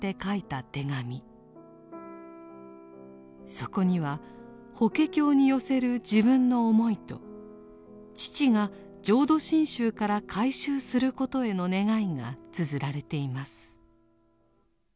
そこには法華経に寄せる自分の思いと父が浄土真宗から改宗することへの願いがつづられています。